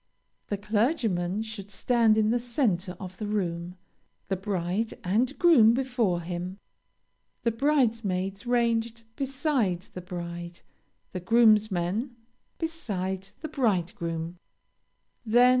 The clergyman should stand in the centre of the room, the bride and groom before him, the bridesmaids ranged beside the bride, the groomsmen beside the bridegroom.